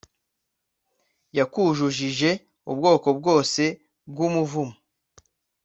yakuzujije ubwoko bwose bw'umuvumo